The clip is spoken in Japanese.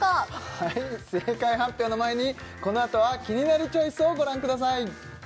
はい正解発表の前にこのあとは「キニナルチョイス」をご覧ください